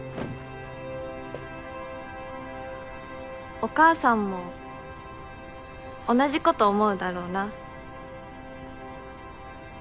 お母さんも同じこと思うだろうな。